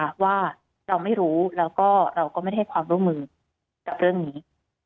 แต่ว่าเราไม่รู้แล้วก็ไม่ได้ความร่วมมือกับเรื่องนี้